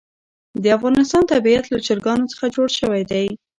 د افغانستان طبیعت له چرګانو څخه جوړ شوی دی.